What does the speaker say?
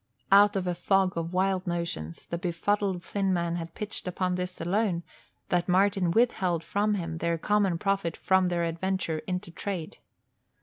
Out of a fog of wild notions the befuddled thin man had pitched upon this alone, that Martin withheld from him their common profit from their adventure into trade.